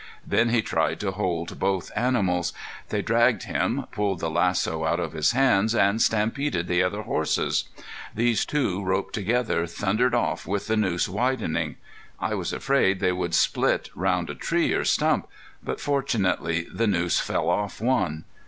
Then he tried to hold both animals. They dragged him, pulled the lasso out of his hands, and stampeded the other horses. These two roped together thundered off with the noose widening. I was afraid they would split round a tree or stump, but fortunately the noose fell off one.